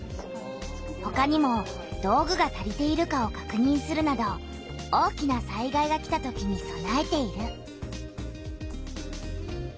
ほかにも道具が足りているかをかくにんするなど大きな災害が来たときにそなえている。